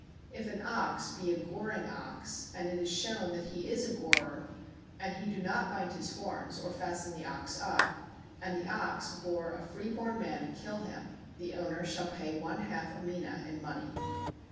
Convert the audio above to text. If an ox be a goring ox, and it is shown that he is a gorer, and he do not bind his horns, or fasten the ox up, and the ox gore a free born man and kill him, the owner shall pay one half a mina in money.